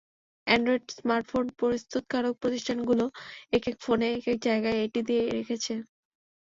Android smartphone প্রস্তুতকারক প্রতিষ্ঠানগুলো একেক ফোনে একেক জায়গায় এটি দিয়ে রেখেছে।